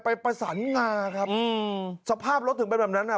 ไปประสานงาครับสภาพรถถึงแบบนั้นอ่ะ